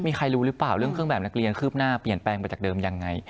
มีใครรู้หรือเปล่าเรื่องเครื่องแบบนักเรียนคืบหน้าเปลี่ยนแปลงไปจากเดิมยังไง